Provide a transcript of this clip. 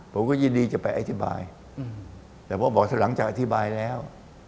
ผมก็ยินดีจะไปอธิบายแต่พอบอกหลังจากอธิบายแล้ว